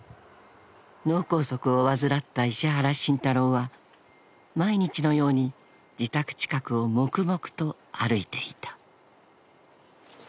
［脳梗塞を患った石原慎太郎は毎日のように自宅近くを黙々と歩いていた］